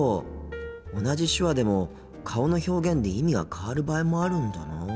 同じ手話でも顔の表現で意味が変わる場合もあるんだなあ。